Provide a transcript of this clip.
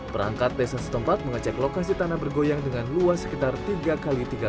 perangkat desa setempat mengecek lokasi tanah bergoyang dengan luas sekitar tiga x tiga meter